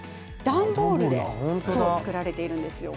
段ボールで作られているんですよ。